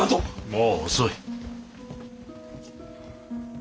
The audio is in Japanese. もう遅い。